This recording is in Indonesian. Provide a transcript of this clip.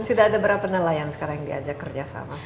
sudah ada berapa nelayan sekarang yang diajak kerja sama